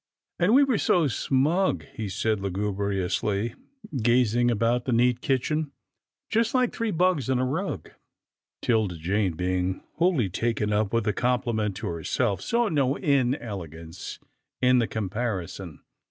" And we were so snug," he said lugubriously gazing about the neat kitchen, " just like three bugs in a rug." 'Tilda Jane, being wholly taken up with the com pliment to herself, saw no inelegance in the com parison.